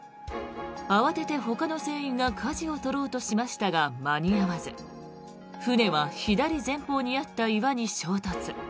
慌てて、ほかの船員がかじを取ろうとしましたが間に合わず船は左前方にあった岩に衝突。